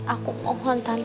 aku juga kan